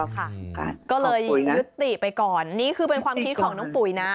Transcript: ก็เลยยุติไปก่อนนี่คือเป็นความคิดของน้องปุ๋ยนะ